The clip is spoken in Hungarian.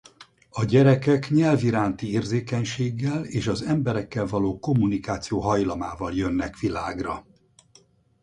A gyerekek nyelv iránti érzékenységgel és az emberekkel való kommunikáció hajlamával jönnek világra.